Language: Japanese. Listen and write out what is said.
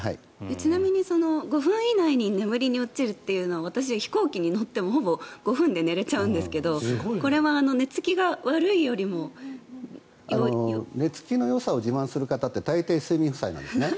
ちなみにその５分以内に眠りに落ちるというのは私、飛行機に乗ってもほぼ５分で寝れちゃうんですが寝付きのよさを自慢する方って大抵、睡眠負債なんですね。